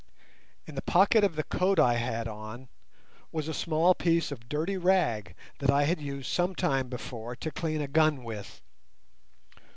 In the pocket of the coat I had on was a small piece of dirty rag that I had used some time before to clean a gun with.